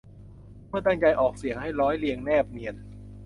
เมื่อตั้งใจออกเสียงให้ร้อยเรียงแนบเนียน